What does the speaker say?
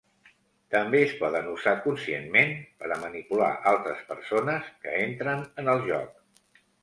També es poden usar conscientment per a manipular altres persones que entren en el joc.